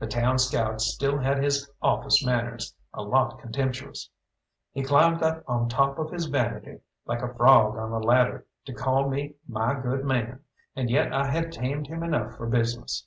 The town scout still had his office manners, a lot contemptuous. He climbed up on top of his vanity like a frog on a ladder to call me "my good man." And yet I had tamed him enough for business.